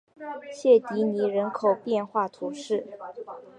谢迪尼人口变化图示